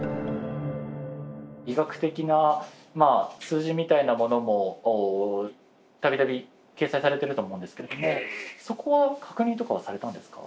医学的な数字みたいなものも度々掲載されてると思うんですけれどもそこは確認とかはされたんですか？